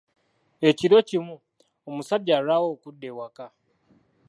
Ekiro kimu, omusajja yalwawo okudda ewaka.